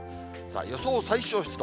予想最小湿度。